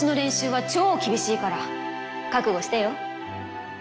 覚悟してよ。